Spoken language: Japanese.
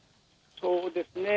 そうですね。